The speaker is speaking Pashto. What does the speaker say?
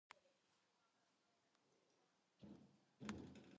ځمکه د افغانانو ژوند اغېزمن کوي.